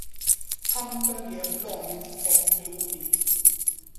Kampen blev lång och blodig.